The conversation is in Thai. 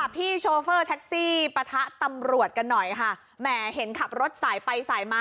โชเฟอร์แท็กซี่ปะทะตำรวจกันหน่อยค่ะแหมเห็นขับรถสายไปสายมา